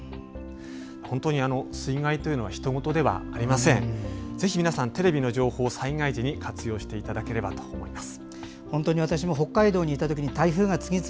本当に、水害というのはひと事ではありません。ぜひ、皆さんテレビの情報を災害時に活用していただければと思います。